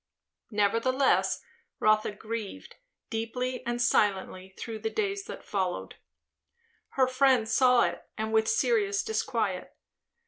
Nevertheless Rotha grieved, deeply and silently, through the days that followed. Her friend saw it, and with serious disquiet.